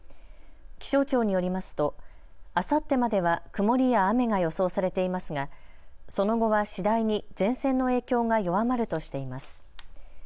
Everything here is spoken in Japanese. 気象庁によりますとあさってまでは曇りや雨が予想されていますがその後は次第に前線の影響が弱まるとしています。